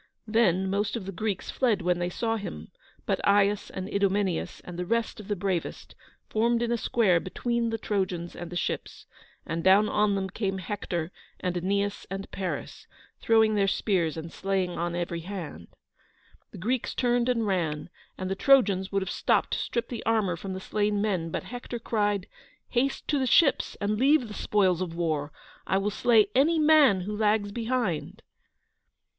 Then the most of the Greeks fled when they saw him; but Aias and Idomeneus, and the rest of the bravest, formed in a square between the Trojans and the ships, and down on them came Hector and Aeneas and Paris, throwing their spears, and slaying on every hand. The Greeks turned and ran, and the Trojans would have stopped to strip the armour from the slain men, but Hector cried: "Haste to the ships and leave the spoils of war. I will slay any man who lags behind!"